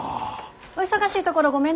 お忙しいところごめんなさい。